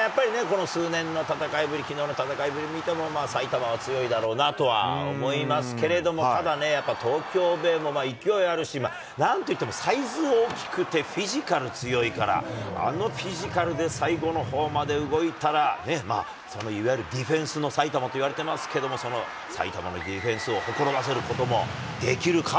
うーん、まあやっぱりね、この数年の戦いぶり、きのうの戦いぶりを見ても、埼玉は強いだろうなとは思いますけれども、ただね、やっぱ東京ベイも勢いあるし、なんといっても、サイズ大きくて、フィジカル強いから、あのフィジカルで最後のほうまで動いたら、それはいわゆるディフェンスの埼玉といわれてますけれども、その埼玉のディフェンスをほころばせることもできるかも。